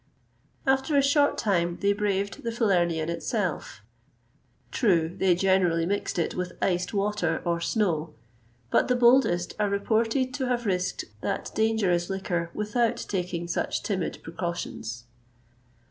[XXVIII 148] After a short time, they braved the Falernian itself true, they generally mixed it with iced water or snow;[XXVIII 149] but the boldest are reported to have risked that dangerous liquor without taking such timid precautions.